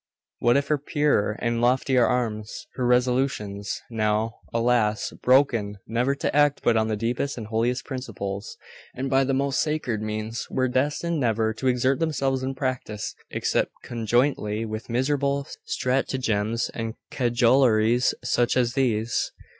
What if her purer and loftier aims, her resolutions now, alas! broken never to act but on the deepest and holiest principles and by the most sacred means, were destined never to exert themselves in practice, except conjointly with miserable stratagems and cajoleries such as these?